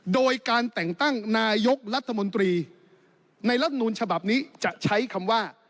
โดยการแต่งตั้งนายกรัฐมนตรีในรัฐมนูลฉบับนี้จะใช้คำว่า